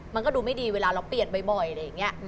มันก็ดูไม่ดีเวลาเราเปลี่ยนบ่อยอะไรอย่างนี้